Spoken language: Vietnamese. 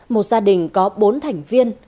một gia đình có bốn thành viên